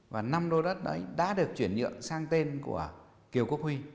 và năm lô đất đấy đã được chuyển nhượng sang tên của kiều quốc huy